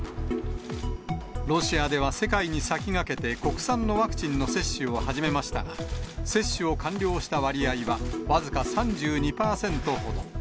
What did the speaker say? ロシアでは、世界に先駆けて国産のワクチンの接種を始めましたが、接種を完了した割合は、僅か３２％ほど。